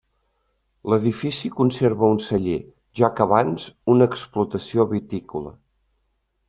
L'edifici conserva un celler, ja que abans una explotació vitícola.